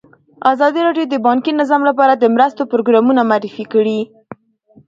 ازادي راډیو د بانکي نظام لپاره د مرستو پروګرامونه معرفي کړي.